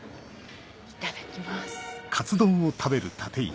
いただきます。